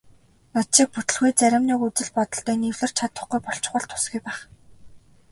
Над шиг итгэлгүй зарим нэг үзэл бодолтой нь эвлэрч чадахгүй болчихвол тусгүй байх.